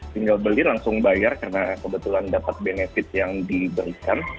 tinggal beli langsung bayar karena kebetulan dapat benefit yang diberikan